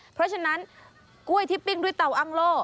เพราะฉะนั้นกล้วยที่ปิ้งด้วยเตาอ้างโล่